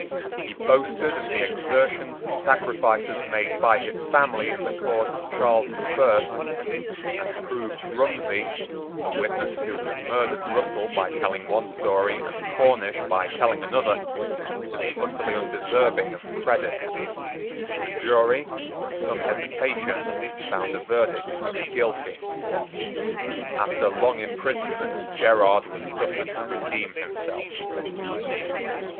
He boasted of the exertions and sacrifices made by his family in the cause of Charles the First, and proved Rumsey, the witness who had murdered Russell by telling one story and Cornish by telling another, to be utterly undeserving of credit. The jury, with some hesitation, found a verdict of Guilty. After long imprisonment Gerard was suffered to redeem himself.